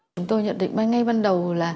chúng tôi nhận định ngay ban đầu